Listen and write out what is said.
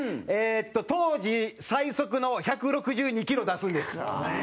当時最速の１６２キロ出すんです。